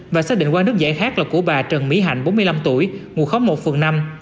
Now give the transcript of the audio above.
và xác định qua nước giải khác là của bà trần mỹ hạnh bốn mươi năm tuổi ngủ khóm một phần năm